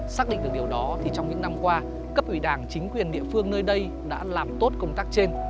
xác định được điều đó thì trong những năm qua cấp ủy đảng chính quyền địa phương nơi đây đã làm tốt công tác trên